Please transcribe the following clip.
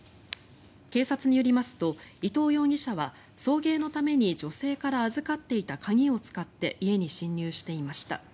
警察によりますと伊藤容疑者は送迎のために女性から預かった鍵を使って家に侵入していました。